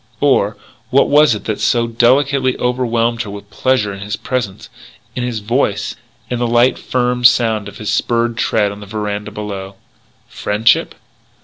Or what was it that so delicately overwhelmed her with pleasure in his presence, in his voice, in the light, firm sound of his spurred tread on the veranda below? Friendship?